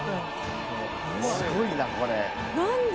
すごいなこれ。何で？